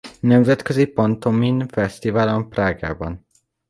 Nemzetközi Pantomim Fesztiválon Prágában.